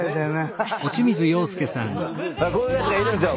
こういうやつがいるんすよ。